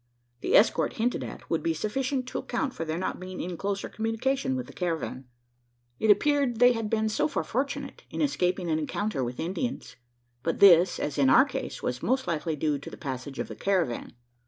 The escort, hinted at, would be sufficient to account for their not being in closer communication with the caravan. It appeared, they had been so far fortunate in escaping an encounter with Indians; but this, as in our case, was most likely due to the passage of the caravan.